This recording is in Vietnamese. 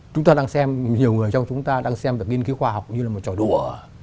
chúng ta đang xem nhiều người trong chúng ta đang xem được nghiên cứu khoa học như là một tròi đũa